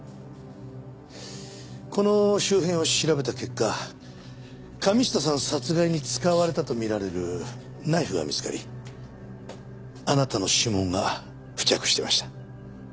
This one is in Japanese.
この周辺を調べた結果神下さん殺害に使われたとみられるナイフが見つかりあなたの指紋が付着してました。